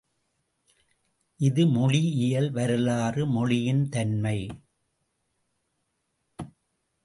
இது மொழியியல் வரலாறு மொழியின் தன்மை!